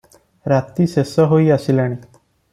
ରାତି ଶେଷ ହୋଇଆସିଲାଣି ।